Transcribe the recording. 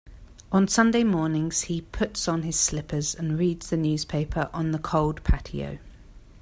On Sunday mornings, he puts on his slippers and reads the newspaper on the cold patio.